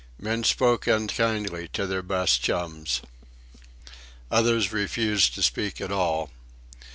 Men spoke unkindly to their best chums. Others refused to speak at all.